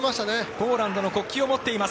ポーランドの国旗を持っています。